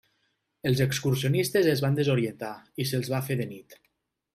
Els excursionistes es van desorientar i se'ls va fer de nit.